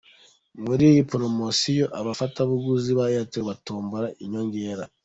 Muri iyi poromosiyo abafatabuguzi ba Airtel batombora inyongera .